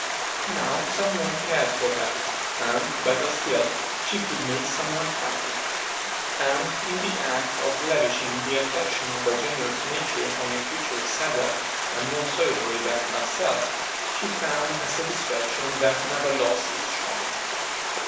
Now some one cared for her, and, better still, she could make some one happy, and in the act of lavishing the affection of her generous nature on a creature sadder and more solitary than herself, she found a satisfaction that never lost its charm.